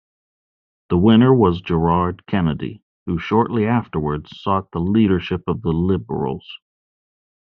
The winner was Gerard Kennedy who shortly afterwards sought the leadership of the Liberals.